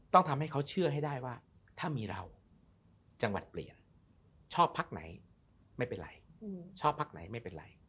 ต้องทำให้เขาเชื่อให้ได้ว่าถ้ามีเราจังหวัดเปลี่ยนชอบพักไหนไม่เป็นไร